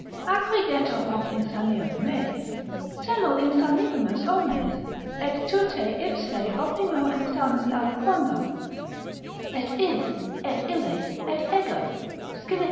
Atqui detur hoc insanire me; Semel insanivimus omnes, et tute ipse opinor insanis aliquando, et is, et ille, et ego, scilicet.